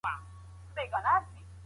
هغه په خپل ليکني پېژندل کېدی.